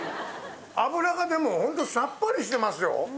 脂がでもホントさっぱりしてますよ。